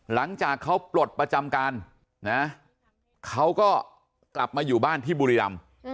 หลังจากเขาปลดประจำการนะเขาก็กลับมาอยู่บ้านที่บุรีรำ